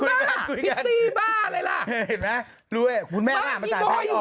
คุณแม่พิตตี้บ้าอะไรล่ะคุณแม่ล่ะบ้านอีบอยอยู่นี่